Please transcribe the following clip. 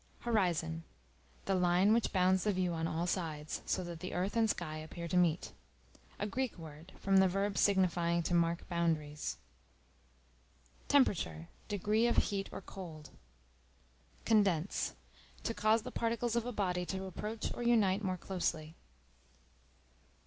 Horizon, the line which bounds the view on all sides, so that the earth and sky appear to meet. A Greek word, from the verb signifying to mark boundaries. Temperature, degree of heat or cold. Condense, to cause the particles of a body to approach or unite more closely.